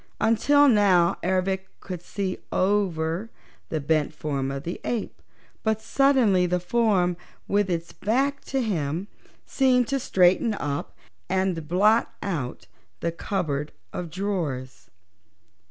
Until now Ervic could see over the bent form of the ape, but suddenly the form, with its back to him, seemed to straighten up and blot out the cupboard of drawers.